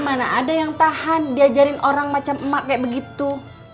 ia pak tapi mana ada yang tahan diajarin orang macam emak kayak begitu